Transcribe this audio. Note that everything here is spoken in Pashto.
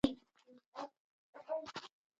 د تا چوکۍ ښه ښکاري